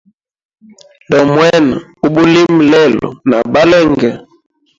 Ndomwena ubulimi lelo na balenge?